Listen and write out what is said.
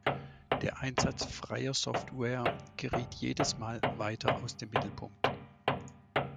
Der Einsatz freier Software geriet jedes Mal weiter aus dem Mittelpunkt.